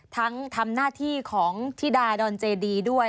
ทั้งทำหน้าที่ของธิดาดอนเจดีด้วย